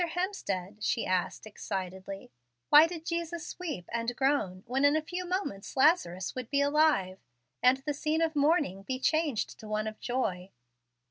Hemstead," she asked excitedly, "why did Jesus weep and groan, when in a few moments Lazarus would be alive, and the scene of mourning be changed to one of joy?"